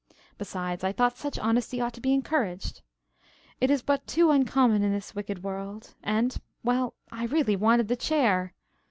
Besides, I thought such honesty ought to be encouraged. It is but too uncommon in this wicked world. And well, I really wanted the chair.